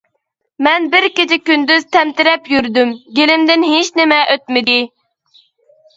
مەن بىر كېچە-كۈندۈز تەمتىرەپ يۈردۈم، گېلىمدىن ھېچنېمە ئۆتمىدى.